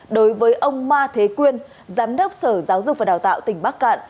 đối với ông ma thế quyên giám đốc sở giáo dục và đào tạo tỉnh bắc cạn